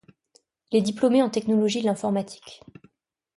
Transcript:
Il est diplômé en Technologie de l'Informatique.